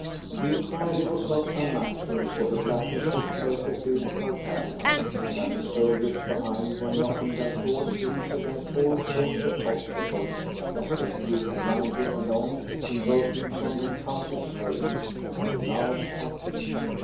The inquiry was not unnatural, for the blackness was perfectly Tartarian, and the soldiers behind were knocking their tall shins against all sorts of obstacles as they groped blindly along, invoking from them countless curses, not loud, but deep.